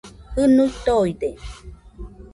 Jɨnui toide